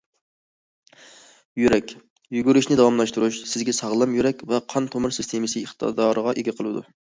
يۈرەك: يۈگۈرۈشنى داۋاملاشتۇرۇش سىزگە ساغلام يۈرەك ۋە قان تومۇر سىستېمىسى ئىقتىدارىغا ئىگە قىلىدۇ.